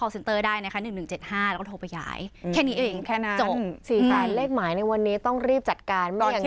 สีทายเลขใหม่ในวันนี้ต้องรีบจัดการ